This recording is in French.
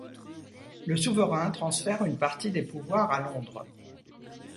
Le souverain transfère une partie des pouvoirs à Londres.